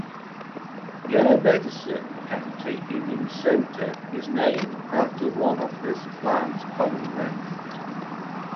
Yellow Medicine County in Minnesota is named after one of this plant's common names.